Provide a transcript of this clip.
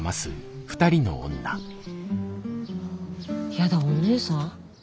やだお姉さん？